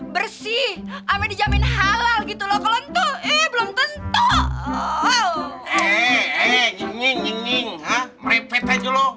bersih ame dijamin halal gitu loh kalau itu eh belum tentu eh ngining ngining ha merepet aja loh